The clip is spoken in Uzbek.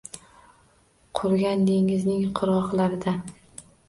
Qurigan dengizning qirgʻoqlarida